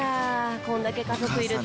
こんだけ家族いると。